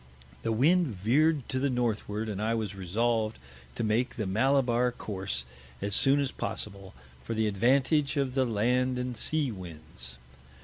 The Wind veer'd to the Northward, and I was resolved to make the Mallabar Course as soon as possible, for the Advantage of the Land and Sea Winds.